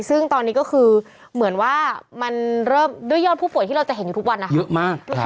ซึ่งตอนนี้ก็คือเหมือนว่ามันเริ่มด้วยยอดผู้ป่วยที่เราจะเห็นอยู่ทุกวันนะคะเยอะมาก